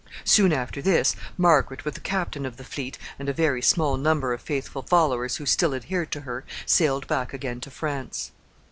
Soon after this, Margaret, with the captain of the fleet and a very small number of faithful followers who still adhered to her, sailed back again to France.